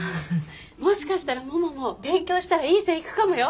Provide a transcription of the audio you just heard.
もしかしたらももも勉強したらいい線いくかもよ！